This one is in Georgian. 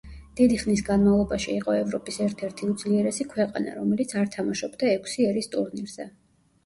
დიდი ხნის განმავლობაში იყო ევროპის ერთ-ერთი უძლიერესი ქვეყანა, რომელიც არ თამაშობდა ექვსი ერის ტურნირზე.